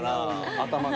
頭が。